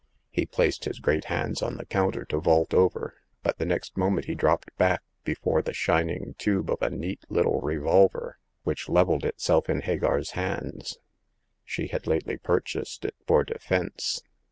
He placed his great hands on the counter to vault over ; but the next moment he dropped back before the shining tube of a neat little revolver, which leveled itself in Hagar's hands. She had lately purchased it for defense.